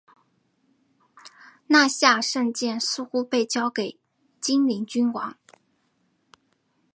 纳希尔圣剑似乎被交给精灵君王。